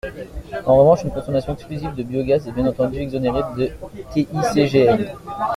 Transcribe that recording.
En revanche, une consommation exclusive de biogaz est bien entendu exonérée de TICGN.